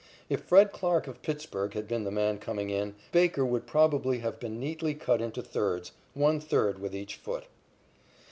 If Fred Clarke of Pittsburg had been the man coming in, Baker would probably have been neatly cut into thirds, one third with each foot.